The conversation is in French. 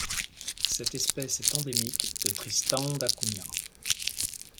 Cette espèce est endémique de Tristan da Cunha.